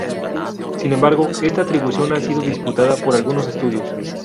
Sin embargo, Esta atribución ha sido disputada por algunos estudios.